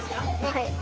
はい。